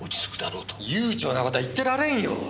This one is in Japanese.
悠長な事は言ってられんよ。